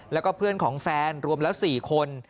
แล้วก็เพื่อนของแฟนรวมแล้ว๔คน